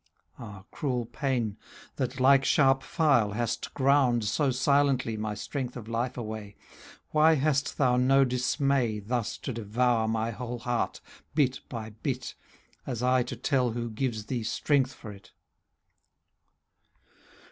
Ah, cruel pain, that, like sharp file, hast ground. So silently, my strength of life away, Why hast thou no dismay Thus to devour my whole heart, bit by bit, ^^ As I to tell who gives thee strength for it.